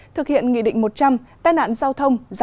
thực hiện nghị định một trăm linh